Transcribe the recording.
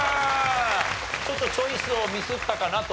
ちょっとチョイスをミスったかなと。